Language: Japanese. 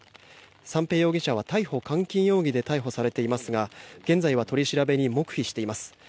三瓶容疑者は逮捕監禁容疑で逮捕されていますが現在は取り調べに黙秘しています。